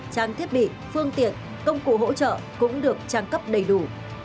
trang thiết bị phương tiện công cụ hỗ trợ cũng được trang cấp đầy đủ